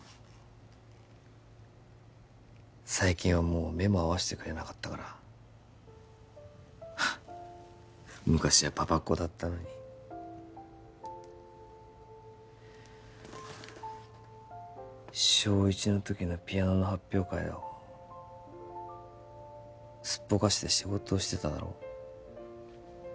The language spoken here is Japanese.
最近はもう目も合わせてくれなかったから昔はパパっ子だったのに小１の時のピアノの発表会をすっぽかして仕事してただろ